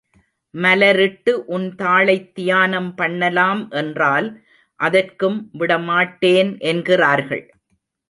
மலரிட்டு உன் தாளைத் தியானம் பண்ணலாம் என்றால் அதற்கும் விடமாட்டேன் என்கிறார்கள்.